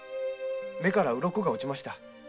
目から鱗が落ちました。